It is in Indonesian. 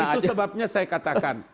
itu sebabnya saya katakan